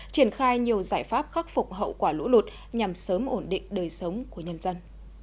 triển khai nhiều giải pháp khắc phục hậu quả lũ lụt nhằm sớm ổn định đời sống của nhân dân